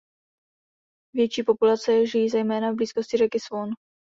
Větší populace žijí zejména v blízkosti řeky Swan.